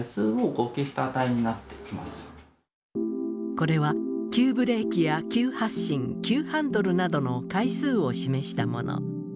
これは急ブレーキや急発進急ハンドルなどの回数を示したもの。